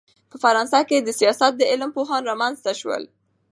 په فرانسه کښي دسیاست د علم پوهان رامنځ ته سول.